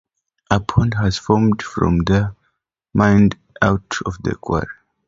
A pond has formed from the mined out area of the quarry.